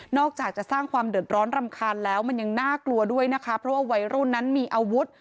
อกจากจะสร้างความเดือดร้อนรำคาญแล้วมันยังน่ากลัวด้วยนะคะเพราะว่าวัยรุ่นนั้นมีอาวุธ